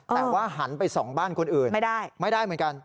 แต่ว่าหันไป๒บ้านคนอื่นไม่ได้เหมือนกัน